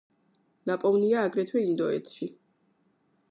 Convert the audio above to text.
ნაპოვნია აგრეთვე ინდოეთში.